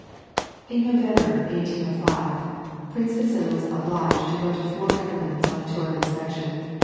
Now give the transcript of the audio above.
In November, 1805, Prince Vasili was obliged to gp to four governments on a tour of inspection.